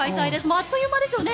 あっという間ですよね。